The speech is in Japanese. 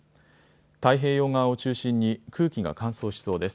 太平洋側を中心に空気が乾燥しそうです。